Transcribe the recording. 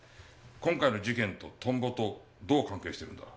今回の事件とトンボとどう関係してるんだ？